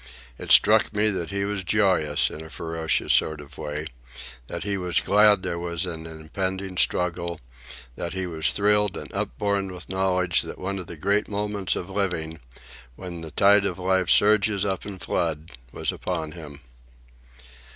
It struck me that he was joyous, in a ferocious sort of way; that he was glad there was an impending struggle; that he was thrilled and upborne with knowledge that one of the great moments of living, when the tide of life surges up in flood, was upon him.